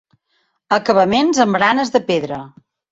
Acabaments amb baranes de pedra.